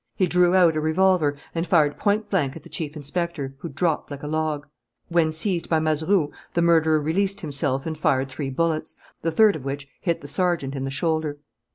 He drew out a revolver and fired point blank at the chief inspector, who dropped like a log. When seized by Mazeroux, the murderer released himself and fired three bullets, the third of which hit the sergeant in the shoulder.